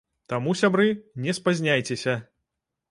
Таму, сябры, не спазняйцеся!